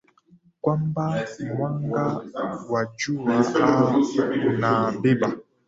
kwamba mwanga wa jua aa unabeba